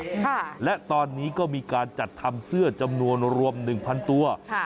ค่ะและตอนนี้ก็มีการจัดทำเสื้อจำนวนรวม๑๐๐๐ตัว